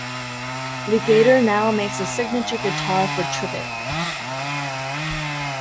Legator now makes a signature guitar for Tribbett.